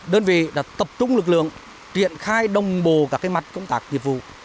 đơn vị đã tập trung lực lượng triển khai đồng bộ các mặt công tác nghiệp vụ